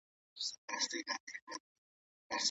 د ماشوم د پښو جرابې هره ورځ بدل کړئ.